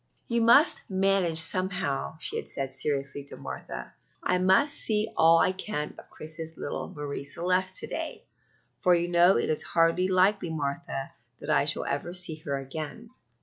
"You must manage somehow," she had said seriously to Martha; "I must see all I can of Chris's little Marie Celeste to day, for you know it is hardly likely, Martha, that I shall ever see her again."